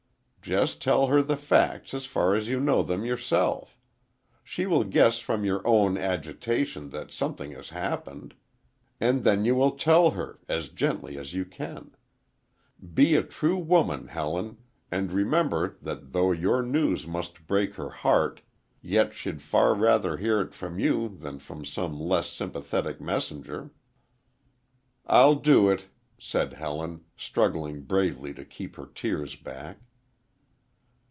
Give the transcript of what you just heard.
"Just tell her the facts as far as you know them yourself. She will guess from your own agitation that something has happened. And then you will tell her, as gently as you can. Be a true woman, Helen, and remember that though your news must break her heart, yet she'd far rather hear it from you than from some less sympathetic messenger." "I'll do it," said Helen, struggling bravely to keep her tears back.